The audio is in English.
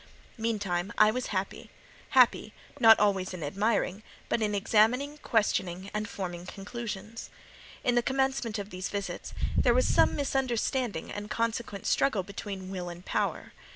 Meantime, I was happy; happy, not always in admiring, but in examining, questioning, and forming conclusions. In the commencement of these visits, there was some misunderstanding and consequent struggle between Will and Power.